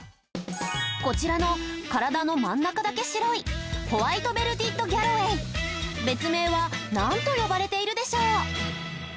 こちらの体の真ん中だけ白いホワイトベルティッドギャロウェイ別名は何と呼ばれているでしょう？